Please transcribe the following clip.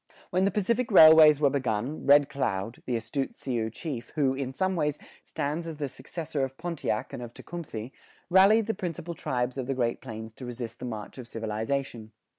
When the Pacific railways were begun, Red Cloud, the astute Sioux chief, who, in some ways, stands as the successor of Pontiac and of Tecumthe, rallied the principal tribes of the Great Plains to resist the march of civilization.